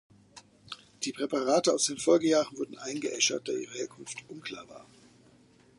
Die Präparate aus den Folgejahren wurden eingeäschert, da ihre Herkunft unklar war.